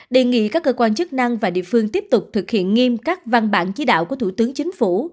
đề nghị các cơ quan chức năng và địa phương tiếp tục thực hiện nghiêm các văn bản chỉ đạo của thủ tướng chính phủ